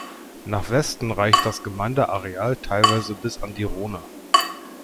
Nach Westen reicht das Gemeindeareal teilweise bis an die Rhone.